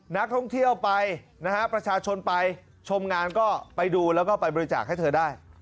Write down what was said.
นักท่องเที่ยวไปนะฮะประชาชนไปชมงานก็ไปดูแล้วก็ไปบริจาคให้เธอได้